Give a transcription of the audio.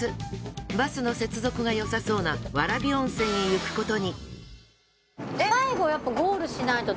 バスの接続がよさそうな蕨温泉へ行くことに。